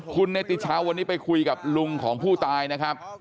คุณเนติชาววันนี้ไปคุยกับลุงของผู้ตายนะครับ